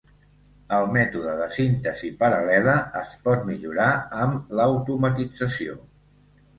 El mètode de "síntesi paral·lela" es pot millorar amb la automatització.